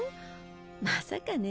まさかね。